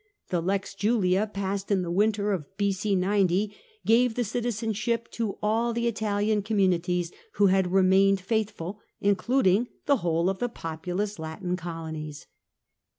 The Lex Julia, passed in the winter of B.C. 90, gave the citizenship to all the Italian communities who had remained faithful, including the whole of the populous Latin colonies.